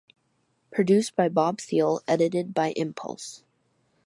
Produced by Bob Thiele, edited by Impulse!